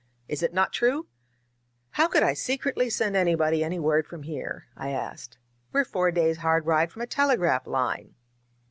Is it not true?" "How could I secretly send anybody any word from here?" I asked. We're four days' hard ride from a telegraph line."